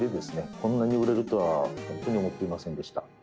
こんなに売れるとはホントに思っていませんでした。